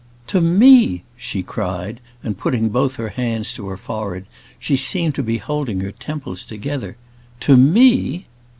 "To me!" she cried, and putting both her hands to her forehead, she seemed to be holding her temples together. "To me!"